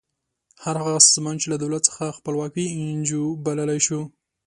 هر هغه سازمان چې له دولت څخه خپلواک وي انجو بللی شو.